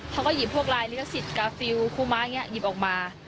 เขาก็หยิบพวกลายลิขสิทธิ์กาฟิลคู่ม้าอย่างนี้หยิบออกมา